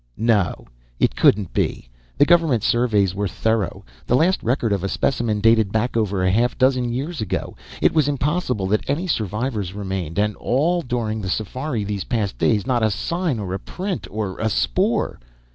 No. It couldn't be. The government surveys were thorough. The last record of a specimen dated back over a half dozen years ago. It was impossible that any survivors remained. And all during the safari these past days, not a sign or a print or a spoor.